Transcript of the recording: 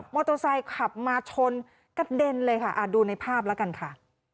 โตไซค์ขับมาชนกระเด็นเลยค่ะดูในภาพแล้วกันค่ะ